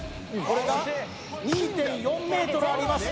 これが２．４ｍあります